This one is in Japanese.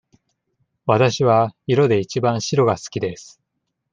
わたしは色でいちばん白が好きです。